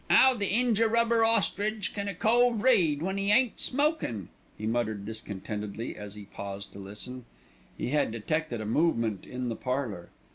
"'Ow the injiarubber ostridge can a cove read when 'e ain't smokin'?" he muttered discontentedly as he paused to listen. He had detected a movement in the parlour.